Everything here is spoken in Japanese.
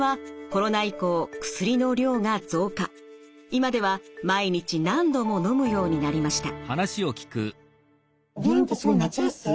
今では毎日何度ものむようになりました。